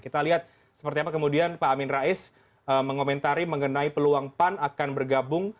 kita lihat seperti apa kemudian pak amin rais mengomentari mengenai peluang pan akan bergabung